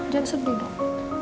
jangan sedih dong